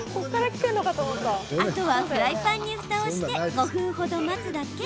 あとはフライパンにふたをして５分ほど待つだけ。